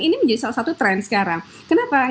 ini menjadi salah satu tren sekarang kenapa